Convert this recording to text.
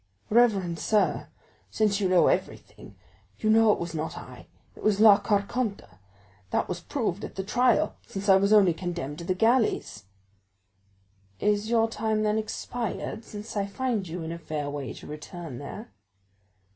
"Reverend sir, since you know everything, you know it was not I—it was La Carconte; that was proved at the trial, since I was only condemned to the galleys." "Is your time, then, expired, since I find you in a fair way to return there?"